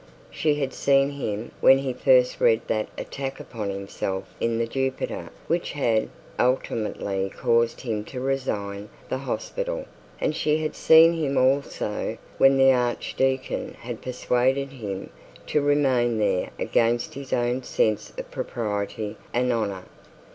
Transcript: She had seen him when he first read that attack upon himself in the Jupiter, which had ultimately caused him to resign the hospital; and she had seen him also when the archdeacon had persuaded him to remain there against his own sense of propriety and honour.